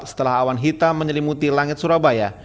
setelah awan hitam menyelimuti langit surabaya